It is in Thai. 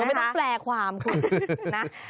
ไม่ต้องแปลความคุณนะ